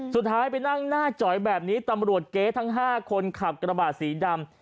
สุดท้ายไปนั่งหน้าจอยแบบนี้ตำรวจเก๊ทั้ง๕คนขับกระบาดสีดำ